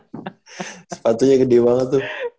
sepatunya gede banget tuh